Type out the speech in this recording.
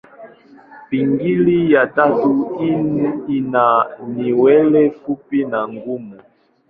Pingili ya tatu ina nywele fupi na ngumu.